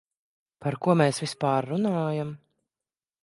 Par ko mēs vispār runājam?